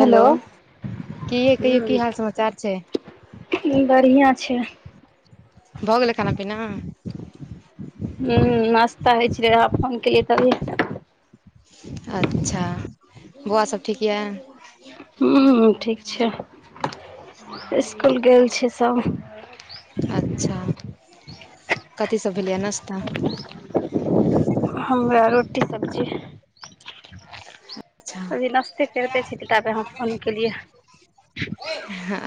Hello, कि यै कहियौ हूँ की हाल समाचार छै? बढ़िआँ छै। भ गेलैय खाना पीना? हम्म, नाश्ता होय छलैय, अहां फोन केलियै तभी। अच्छा। [inaudible] बौआ सब ठीक यै हुम्म ठीक छैय, स्कुल गेल छैय सब। अच्छा, कथी सब भेलैय याऽ नाश्ता? हमरा रोटी सब्जी। [inaudible] अभी नश्ते कैरते छेल ताबे अहाँ फोन केलियै।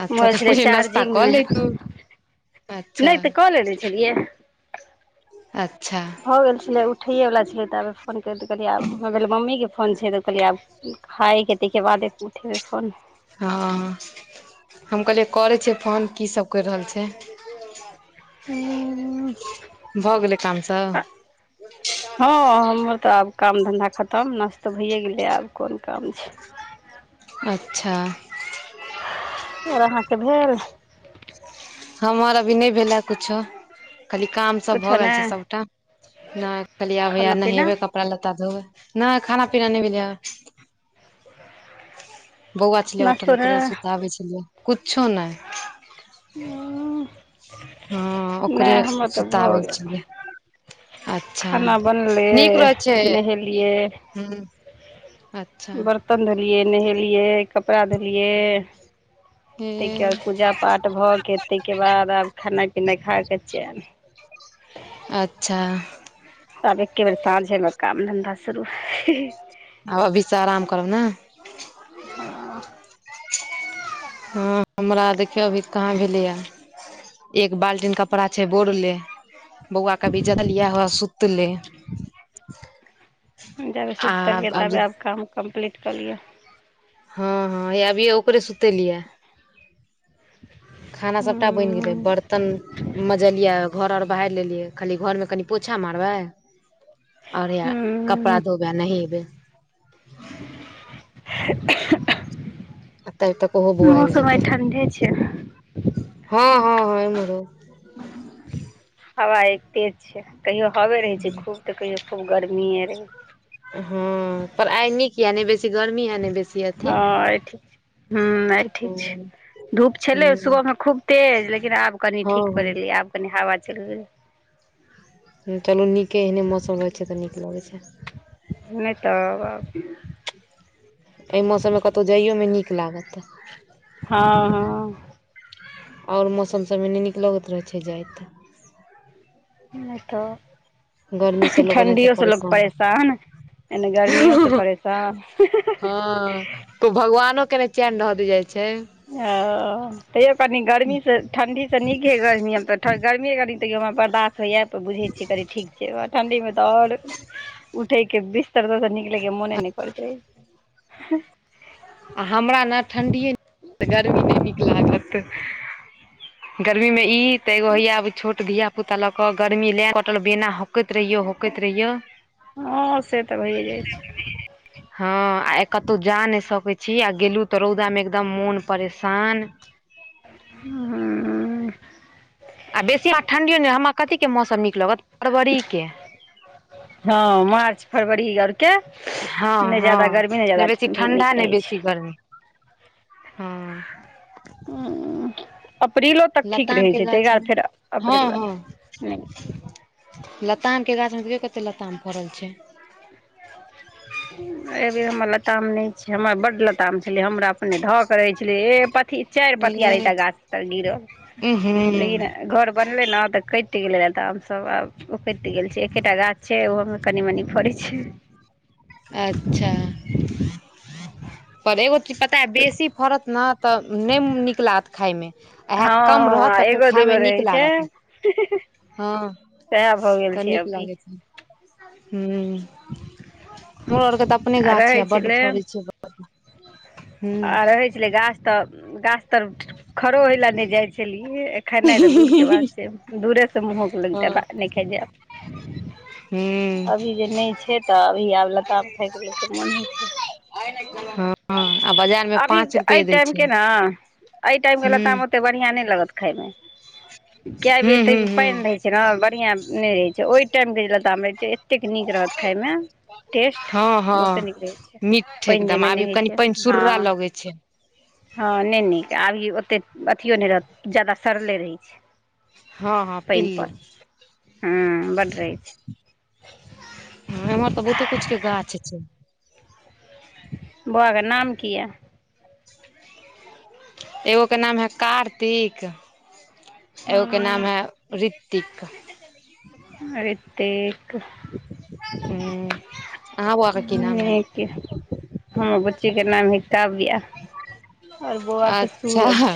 अच्छा मोआइल तऽ छलैय पहिले नाश्ता चार्जिंग कऽ में। लैतू अच्छा नैय त क लेने छलियै। अच्छा। भ गेल छलै, उठैये बला छियै ताबे फोन कैऽ द-देलियै, आब हमा भेल मम्मी के फो फोन छै तऽ कहलियै आब खाए के तैके बादे उठेबै फोन। हँ। हम कहलियै करै छियैइ फोन, की सब कैर रहल छै? हूँ भऽ गेलै काम सब? हँ हमर तऽ आब काम धंधा खत्तम, नश्तो भइए गेलैय, आब कोन काम छै? अच्छा। और अहाँ के भेल? हमर अभी नैय भेलै यैऽ कुछो, खाली काम सब भऽ किछो गेल छैय नहि सबटा। कहलियै आब हैया खाना पीना नहेबे कप कपड़ा लत्ता धोबै नहि खाना पीना नहि भैलैये। बौआ छलै नाश्तो उठल ओकरे नहि सुताबै छलियै कुछो नय। हँ ओकरे नहि हमर तऽ भऽ सुताबै गेल छलियै। अच्छा खाना बनलै नीक रहै छैय नहेलियै हूँ अच बरतन धोलियै, नहेलियै, कपड़ा धोलियै। हे तयके बाद पूजा पाठ भ गेल तयके बाद आब खेनाइ पिनाइ खा क चैन। अच्छा। आब एके बेर साँझे में काम धंधा शुरू। आब अभी स आराम करब ने। हं। हँ हमरा देखियौ अभी कहाँ भेलेय ऐ। एक बाल्टीन कपड़ा छय बोरले। बौआ के अभी जगल ये हौउवे सुतलय। जाबे सुतल य जे ताबे आब काम कम्प्लीट क लियऽ। हँ -हँ हैये अभी ओकरे सुतेलियए ये। खाना सबटा बनि गेलय हूँ बर्तन मजलये ऐ घर और बहारि लेलियै खाली घरमे कनि पोछा मारबय और हइया कपड़ा हूँ धोबय आ नहेबय। एंह तब तक ओहो एंह बौआ आबि मौसम आय जेतै ठंडे छय। हँ -हँ- हँ इम्हरो।। हवा आय तेज छैय। कहियो हवे रहय छैय खूब त कहियो खूब गर्मीये रहय। हँ पर आइ निक किये नय बेसी गर्मी हे नय बेसी छै अथी। हँ आइ ठीक छै हूँ आइ ठीक छै धूप छलय सुबहमे खूब तेज लेकिन आब कनि हँ ठीक पर ऐलय हँ ऐ आब कनि हवा चल लय। चलू नीके अय न ऐहने मौसम रहय छैय त नीक लगय छैय। नय त बाप अय मौसममे कतौ जाय यो मे नीक लागत। हँ- हँ। और मौसम सभमे नय नीक लगैत रहै छैय जाइत। नहि गर्मी त से लोक ओनाहितो ठण्डियो से लोक परेशान एने गर्मियो से परेशान। हँ उ भगवानोके नय चैन रहय दय जाइ छैय। ह। तैयो कनि गर्मीसे ठण्डीसे नीके गर्मी आब त गर्मी कनि तैयो हमरा बर्दाश्त होइयै त बुझै छियै कनी ठीक छैय ठण्डीमे त और उठै के बिस्तर पर स निकलयके मोने नै करैत रहय छैय। आ हमरा ने ठण्ढीए नीक गर्मी नय नीक लागत। गर्मी मे इ त एगो हैया आब छोट धिया पुता लऽ क गर्मी लैन कटल बेना हौकैंत रहियो हौकैंत रहियो। हँ से त भइए जाइ छैय। हँ आ कतौ जा नय सकै छी आ गेलु त रौदामे एकदम मोन परेशान। हम्म। आ बेसी आ ठण्डियो नै हमरा कथीके मौसम नीक लगत फरवरीके। हँ, मार्च फरवरी औरके हँ नै हँ जादा गर्मी नै नहि जादा बेसी ठंडी, ठण्डा नीक रहे छै। हुं ऊं -ऊं, अप्रीलो तक ठीक लताम रहै के छै। गाछ [unintelligible] मे फेर अप्रील बला [unintelligible] लतामके गाछमे देखयौ कते‌ लताम फड़ल छै। अय बेर हमर लताम नय छै। हमरा बड लताम छलै। हमरा अपने धक करै छलै ए पथि- चाइर पथिया ए एकटा गाछ तर गिरल। उहूँ लेकिन घर बनलै ने तऽ कैट गेलै [unintelligible] आब सभ आब उपैट गेल छै। एकेटा गाछ छै, ओहो मे कनी मनी फड़ै छै। अच्छा [unintelligible] पर एगो [unintelligible] तैँ बेसी फड़त न तऽ नै नीक लागत खायमे। वहए आ कम हँ रहत तऽ फेर ख एगो खाय दूगो मे नीक रहै छै लागत। हँ, सएह भऽ गेल तऽ छै नीक अभी लागे छनि। हूं [unintelligible] आर के तऽ अपने आ गाछ छै रहै या। बड्ड छलै फड़ै छै। आ [unintelligible] रहै छलै गाछ तऽ गाछ तब खड़ो होइ लए नय जाइ छलियै। खेनाइ तऽ दूरके बात छै। दूरे से मुँहक लगतै। ह्म [unintelligible] नै खाइ जैब अभी जे नय छै तऽ अभी आब लताम खायके लोकके मोन होइ छै। [unintelligible] हँ, आ बजार अभी एहि टाइमके न, एहि टाइमके ह्म लताम ओतेक बढ़िआँ नय लागत खायमे। कए ह्म ब [unintelligible] ह्म तऽ ह्म पाइन रहै छै न। बढ़ियाँ नै रहै छै। ओइ टाइम के जे ल [unintelligible] ताम रहै छै एतेक नीक रहत खायमे, टेस्ट बहुते नीक रहै छै। मीठ्ठ छै पानि एकदम। जाहिमे आब नहि इ होइ कनि छै पानिसुर्रा हँ लगय छै। हँ नय नीक। आब इ ओते अथियो नै रहत, जादा सड़ले रहै छै। हँ हँ पनि पिल्लू पर। हुम्म, बड्ड रहै छै। हँ एम्हर तऽ बहुते कुछ के गाछ छै। बौआके नाम कि ऐ? एगोके नाम है कार्तिक एगोके नाम हँ है ऋतिक। ऋतिक हुम्म हुम्म नीक यऽ। हमर बुच्ची के नाम ऐ काव्या। और बौआ के अच्छा सूरज।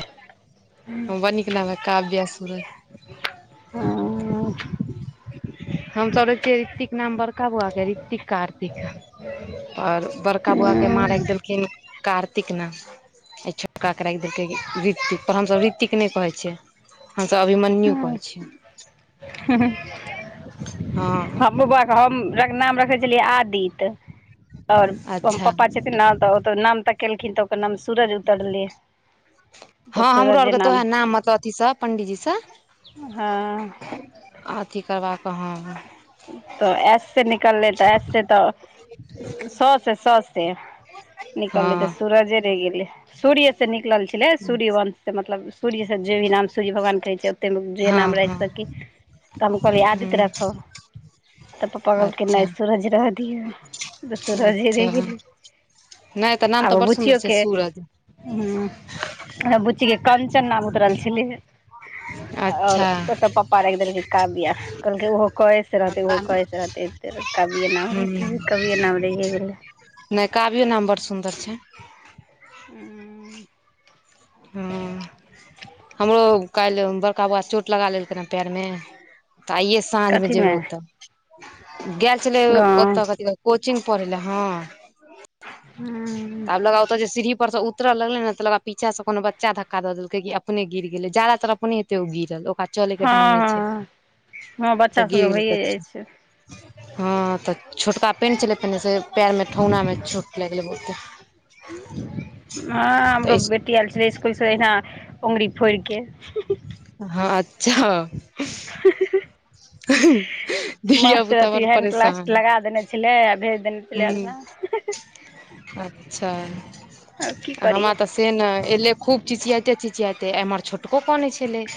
बड़ नीक नाम ऐ काव्या, सूरज। हँ हम सब रखितियैइ रितिक नाम बड का बौआके ऋतिक, कार्तिक और बड़का बौआके हँ माँ राखि देलखिन तिकना आ छोटकाके राखि देलकै ऋतिक। त हमसभ ऋतिक नै कहै छियै। हम सभ अभिमन्यु कहै छियै। हुं -हुं, हँ हमहु बौआके हम नाम रखने छलियै आदित्य। और अच्छा पप्पा छथिन न त ओ नाम तकेलखिन त ओकर नाम सूरज उतरलै। तऽ हँ हमरो सूरजे आरके त उहे नाम मतलब अथीसँ पंडीजीसँ हँं- अं अथी करबाक हं- हं त एस से निकललै त एस से त स से स से निकललै त हँ सूरजे रहि गेलै सूर्य से निकलल छलै सूर्य वंश। त मतलब सूर्य सँ जे ई नाम सूर्य भगवान कहै छै ओतेकमे जे हँ नाम हँ राखि हँ सकी। त हम कहलिअ आदित हूं राखब। त पप्पा कहलकै नै अच्छा सूरज रह दिऔ त सूरजे रहि गेलै। नै त नाम त बड़ सुन्दर छै सूरज। हुं बुच्ची के कंचन नाम उतरल छलैअ। आओर अच्छा ओकर पापा राखि देलकै काव्या कहलक ओहो। कए से रहतै ओहो कए से रहतै एत र कविए नाम रहतै कवीए नाम रहिेए गेलै। नै कावियो नाम बड़ सुन्दर छै। हुं। हँ। हमरो कालि बड़का बौआ चोट लगा लेलकै ने पैर मे त आइए सं। साँझ मे कथीमे जेबै ओत गैल छलै ओ गाँव ओत कथी दन कोचिंग पढ़ै लेए हँ। हँ [unintelligible] ओत जे सीढ़ी पर सं उतर लगलै ने त लगा पीछा से कोनो बच्चा धक्का देलकै कि अपने गिर गेलै जादातर अपने। त ओ गिरल ओकरा चलै के ढंग नै छै हँ हँ बच्चा त गिर सभके गेलै भइए होतै। जाइ हँ त छोटका पैंट छलै पेरहने से पैरमे ठेहुना मे चोट लागि गेलै बहुते। [inaudible] हं हमरो तऽ बेटी आएल छलै स्कुलसे अहिना अंगुरी फोरिके। हँ अच्छा। हं हं हं धिया मास्टर पुता अथी बड़ हैंड प्लास्ट लगा देने। छलै आ भेज देने। छलै अङ्गना हुं अच्छा आब की आ हमरा करियै त। से नै एलै खूब चिचियाइते चिचियाइते एम्हर छोटको कनै छलै।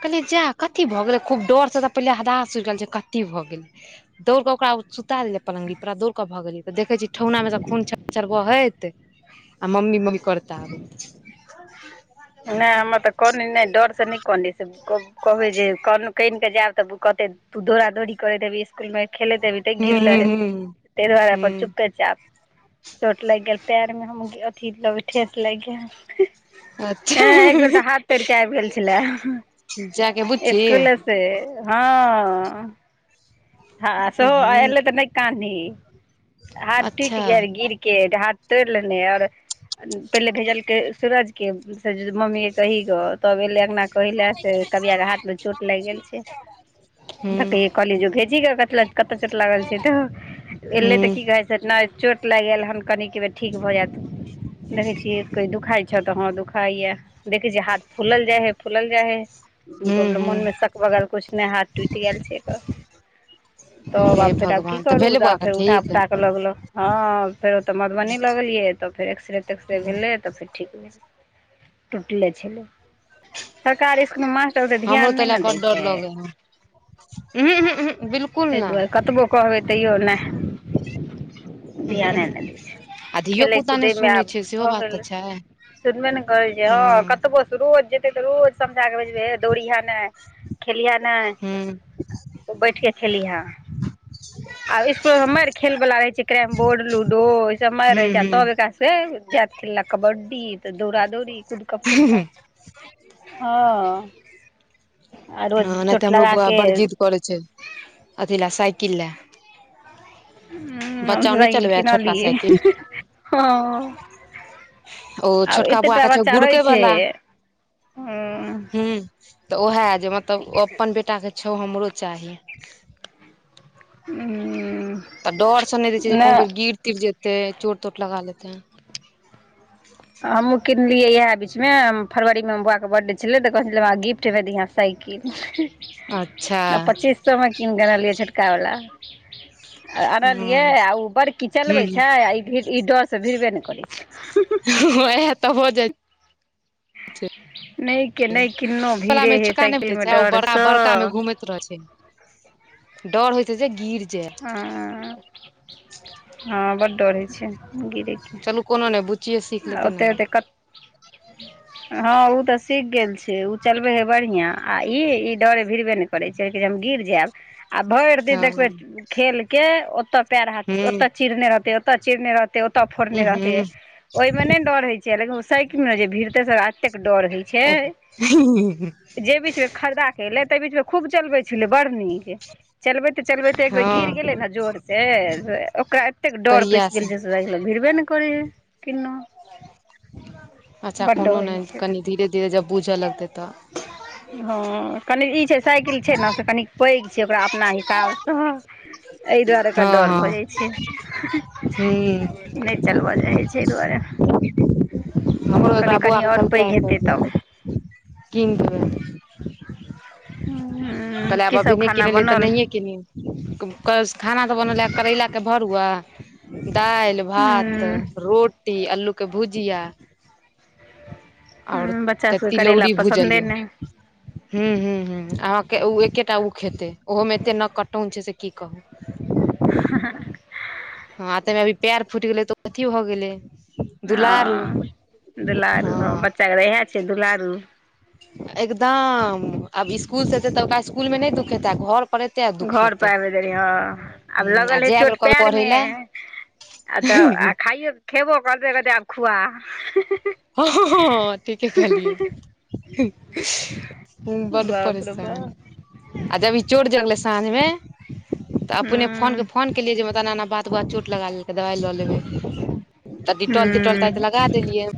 कहलियै जा कथी भ गेलै खूब डर सं त पहिले हदास उड़ि गेल जे कथी भ गेलै। दौड़ क ओकरा सुता देलिअइ पलंगरी पर आ दौड़ क भगलियै त देखै छी ठेहुना पर त खुब छरछर बहैत। आ मम्मी मम्मी करैत आबैत। नै हमर त कनै नै डरसं नै कनय की से कह कहबै जे। कह कानिक के जाएब त कहतै तू दौड़ा दौड़ी करैत हेबी स्कुल मे खेलैत हेबी। तें हूँ गिरलेहें हूँ तै दुआरे अपन हूँ चुपेचाप चोट लागि गेल पैर में हम गि। की कहबै ठेस लागि गेल हूँ अच्छा हं एक बेर त हाथ तोरिके आबि गेल छलै। जा के। स्कुले से हँ अँ। हँ सेहो अ हूँ एलै त नै कानै हाथ अच्छा टुटि गेल गिरके हाथ। तोरि लेने और पहिले भेजलकै सूरज के। फेर जे मम्मी के कही ग तब एलै अंगना कहै ले से कबिया के हाथ मे चोट लागि गेल छै। ध हूँ के त कहलिअइ भेजही ग चोट लागल छै तऽ एले हूँ त की। जे है से नै चोट लागि गेल हन कनीकबे ठीक भ जाएत देखै छीही एकोरती दुखााय। अच्छा तऽ हं दुखाइया देखै छी हाथ फुलल जाय हय फूलल जाइ हय। हूँ हूँ मोनमे सक भगल किछु नहि हाथ टुटि गेल छै एकऽ। तब हे आब फेर आब की भगवान तऽ करू भेलै बौआ तब के फेर उठा ठीक फुटा के लगलो हँ फेरोते मधुबनी लग गेलियै। तऽ फेर् एक्सरे तेक्सरे भेलै तऽ फे। टूटले छलै सरकार। कखनो मास्टर ओ त हमरो ध्यान नहि ने दै छै। अहँँ बिलकुल। एहि दुआरे कतबो कहबै तैयो ने ध्याने नहि दै छै, आ धियो खेलय पुता नहि कूदयमे सुनै आब छै सेहो भऽ बात तऽ गेलै। छै सुनबे ने करै छै हँ कतबो रोज जेतै तऽ रोज समझा केे भेजबै हे दौड़िहे नहि खेलिहे नहि हूं ओ बैठ के खेलिहें। आ इसकुल मे मैर खेल वला रहै छै कैरम बोर्ड, लूडो ई सब मैर रहै हूं छै हूं तब एकरा से जाइत खेलै ला कबड्डी तऽ दौड़ा दौ ड़ी कुदकब खुदका हँ आ रोज हँ नहि तऽ चोट हमरो बौआ लगाके बड़ जिद करै छै अथि ले साइकिल ले बच्चा नहि साइकिल चलबैये छोटका किनलियै साइकिल। हँ ओ आब छोटका बौआ एतेटा के छै बच्चा होइ गुड़केै छै वला हुं तऽ उएह जे मतलब अपन बेटाके छौ हमरो चाही। उंह। तऽ डर से नहि दै छियई जे कतहु फेर गिर तिर जेतै, चोट तोट लगा लेतै। हमहुँ किनलियै इएह बीचमे, फरवरीमे बौआके बर्थडे छलै, तऽ कहै छलै हमरा गिफ्ट में दिहे साइकिल। अच्छा ल त पच्चीस सौ मे कीन देबलियै छोटकावला। हूं अनलियै आ ओ बड़की चलबै हूं छै आ ई डरसँ भिरबे नहि करै छै। इएह तऽ हो जाइ छै। नहि के नहि किनहु वला भिड़े मे हे चोका नहि साइकिल भेटै मे छै ओ बड़का डरसँ। बड़का मे घूमैत डर होइत हेतै जे गिर जायब। हँ, हं बड डर होइ छै गिरैके। चलू कोनो ने बुच्चीये से। सीख लेतै एते एते कत [inaudible] हँ ओ तऽ सीख गेल छै ओ चलबै हे बढ़िआं आ ई ई डरे भिरबे नहि करै छै जे हम गिर जायब। आ भरि दिन देखबे हँ खेल के ओतऽ पैर हाथ हूँ ओतए चिरने रहतै ओते चिरने रहते ओते फोड़ने रहते उहूँ ओहि मे नै डर होइ छै लेकिन ओ साइकिल जे भिड़ते से रा ततेक डर होइ छै। जे बीचमे खरीदा के एलै ताहि बीचमे खूब चलबै छलै बड़ नीक। चलबैते चलबैते एक बेर गिर हँ गेलै ने जोर से ओकरा एतेक डर तहिया पैसि से गेलै जे देखके भीड़बे ने करै हे किनहु। अच्छा कोनो नहि, कनि धीरे धीरे जब बूझय लगतै तऽ हँ कनी ई छै साइकिल छै ने से कनी पैघ छै ओकरा अपना हिसाबसँ। एहि दुआरे ओकरा हँ डर हँ भऽ जाइ छै। हूँ नहि चलबऽ चाहै छै ऐ दुआरे। हमरो कनि एकरा बौआ कनि और पैघ हेतै तब। कि कहले आब की अभी सब नै खाना किनलियै तऽ बनल नहिए किनहीन। खाना तऽ बनले करैला के भरुआ दालि, भात, हूँ रोटी, अल्लूके भुजिया। और हूँ बच्चा सबके करैला तिलौड़ी पसन्दे भुजलियै। नहि हुं हुं हुं आहाँ के उ एकेटा ओ खेतै, ओहो मे एते नक कटौन छैय से की कहू। ह ह [unintelligible] हँ तैय मे अभी पेर फुइट गेलै तऽ अथी भऽ गेलै दुलारू हँ दुलारू हँ बच्चा के तऽ इहे छै दुलारू एकदम आब इसकुल से एतै तऽ ओकरा इसकुल मे नैय दुखतै घर पर एतै आ घर दुखेतै पर आबैत देरी ह आब आ लगल हेै जाय चोट बेर कहबै पैर पढ़ै मे लए आ तऽ आ खइयो खइबो करतै त कहतै आब खुआ हँ-हँ-हँ ठीके कहलियै हू बड बाप रे परेशान बाप आ जब ई चोट जगलै साँझ मे तऽ हूँ अपने फोन के फोन के लियै जे एना-एना बात बौआ चोट लगा लेलकै दवाय लऽ लेबै तऽ डिटोल-टिटोल तात हूँ लगा देलियै